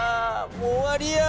もう終わりや！